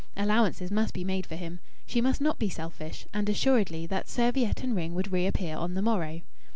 Allowances must be made for him. She must not be selfish.... And assuredly that serviette and ring would reappear on the morrow.